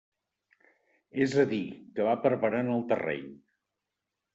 És a dir que va preparant el terreny.